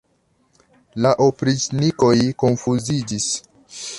La opriĉnikoj konfuziĝis.